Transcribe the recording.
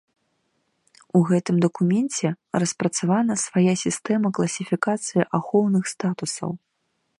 У гэтым дакуменце распрацавана свая сістэма класіфікацыі ахоўных статусаў.